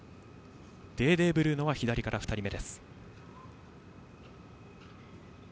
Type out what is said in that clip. デーデー・ブルーノは左から２人目。